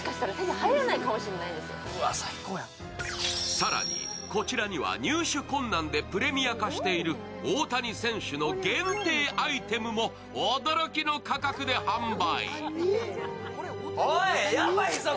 更に、こちらには入手困難でプレミア化している大谷選手の限定アイテムも驚きの価格で販売。